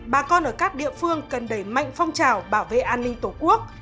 bà con ở các địa phương cần đẩy mạnh phong trào bảo vệ an ninh tổ quốc